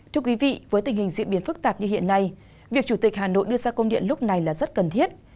thưa quý vị với tình hình diễn biến phức tạp như hiện nay việc chủ tịch hà nội đưa ra công điện lúc này là rất cần thiết